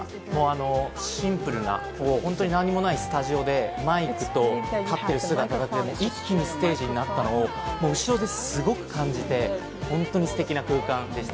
シンプルな、何もないスタジオで、マイクと立っている姿だけで、一気にステージになったのを、後ろですごく感じて、本当にステキな空間でした。